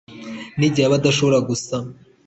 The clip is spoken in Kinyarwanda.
n’igihe aba adashobora gusama ?